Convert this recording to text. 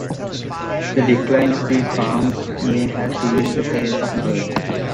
The decline of these palms may have sealed the fate of the bird.